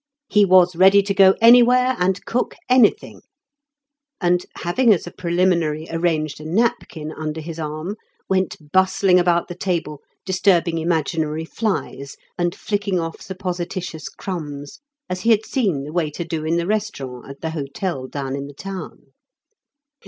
He was ready to go anywhere and cook anything, and having as a preliminary arranged a napkin under his arm, went bustling about the table disturbing imaginary flies and flicking off supposititious crumbs, as he had seen the waiter do in the restaurant at the hotel down in the town.